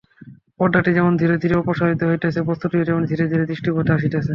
পর্দাটি যেমন ধীরে ধীরে অপসারিত হইতেছে, বস্তুটিও তেমনি ধীরে ধীরে দৃষ্টিপথে আসিতেছে।